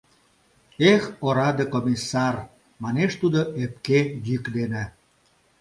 — Эх, ораде комиссар! — манеш тудо ӧпке йӱк дене.